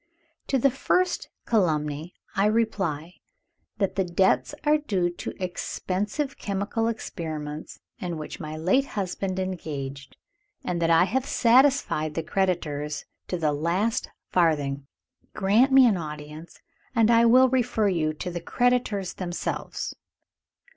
"To the first calumny I reply, that the debts are due to expensive chemical experiments in which my late husband engaged, and that I have satisfied the creditors to the last farthing. Grant me an audience, and I will refer you to the creditors themselves.